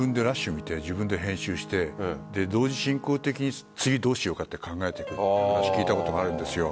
自分で編集して同時進行的に次どうしようかと考えているという話聞いたことがあるんです。